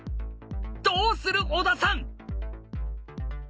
どうする小田さん